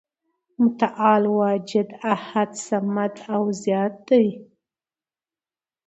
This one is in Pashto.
متعال واجد، احد، صمد او ذات دی ،